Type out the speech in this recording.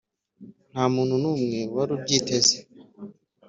nta muntu n'umwe wari ubyiteze.